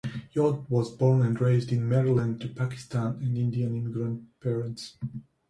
Yodh was born and raised in Maryland to Pakistan and Indian immigrant parents.